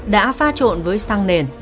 đã pha trộn với xăng nền